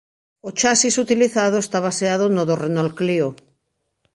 O chasis utilizado está baseado no do Renault Clio.